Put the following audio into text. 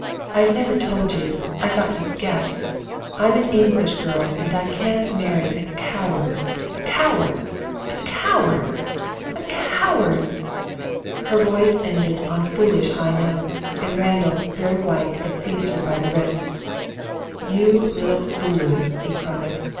I've never told you. I thought you'd guess. I'm an English girl and I can't marry a coward a coward a coward a coward." Her voice ended on a foolish high note, for Randall, very white, had seized her by the wrist. "You little fool," he cried.